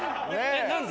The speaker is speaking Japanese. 何で？